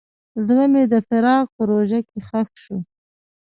زړه مې د فراق په ژوره کې ښخ شو.